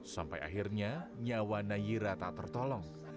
sampai akhirnya nyawa nayira tak tertolong